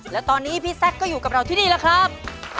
และตอนนี้พี่แซคก็อยู่กับเราที่นี่แหละครับ